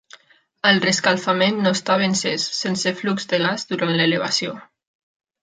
El rescalfament no estava encès, sense flux de gas durant l'elevació.